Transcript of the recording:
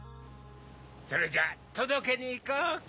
それじゃあとどけにいこうか。